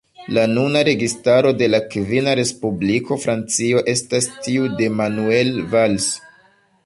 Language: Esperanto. La nuna registaro de la kvina Respubliko Francio estas tiu de Manuel Valls.